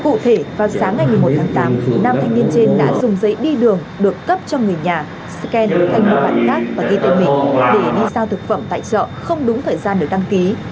cụ thể vào sáng ngày một mươi một tháng tám nam thanh niên trên đã dùng giấy đi đường được cấp cho người nhà scan với thanh niên bạn khác và ghi tên mình để đi sao thực phẩm tại chợ không đúng thời gian để đăng ký